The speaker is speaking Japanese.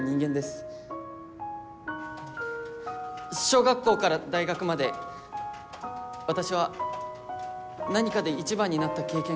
小学校から大学まで私は何かで一番になった経験がありません。